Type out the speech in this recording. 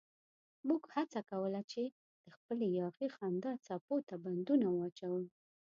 موږ هڅه کوله چې د خپلې یاغي خندا څپو ته بندونه واچوو.